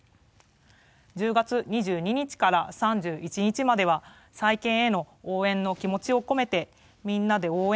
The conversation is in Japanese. １０月２２日から３１日までは再建への応援の気持ちを込めて「みんなで応援！